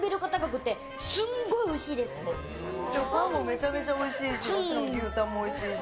パンもめちゃくちゃおいしいしもちろん牛タンもおいしいし。